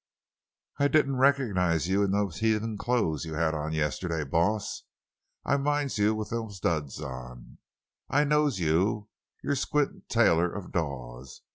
"I didn't reco'nize you in them heathen clo's you had on yesterday, boss; but I minds you with them duds on. I knows you; you're 'Squint' Taylor, of Dawes.